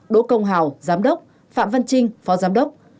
đỗ công hào giám đốc phạm văn trinh phó giám đốc